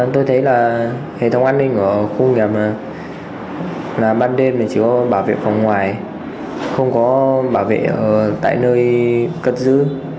tôi thấy là hệ thống an ninh của khu công nghiệp là ban đêm chỉ có bảo vệ phòng ngoài không có bảo vệ tại nơi cất giữ